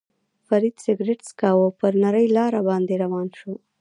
فرید سګرېټ څکاوه، پر نرۍ لار باندې روان شو.